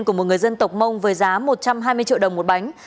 của một người dân tộc mông với giá một trăm hai mươi triệu đồng một bánh